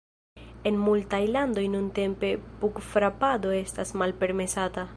En multaj landoj nuntempe pugfrapado estas malpermesata.